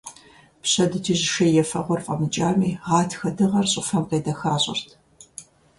Пщэдджыжь шей ефэгъуэр фIэмыкIами, гъатхэ дыгъэр щIыфэм къедэхащIэрт.